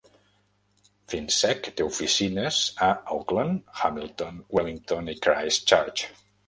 Finsec té oficines a Auckland, Hamilton, Wellington i Christchurch.